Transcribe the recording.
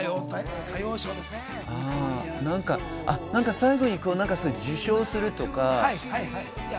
最後に受賞するとか？